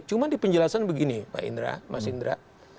cuma di penjelasan begini pak indra mas indra